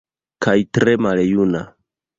Kaj tre maljuna.